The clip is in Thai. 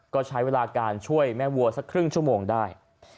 ก็ใช้เวลาการช่วยแม่วัวสักครึ่งชั่วโมงได้